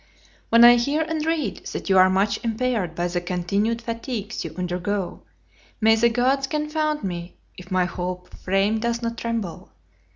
"When I hear and read that you are much impaired by the (208) continued fatigues you undergo, may the gods confound me if my whole frame does not tremble!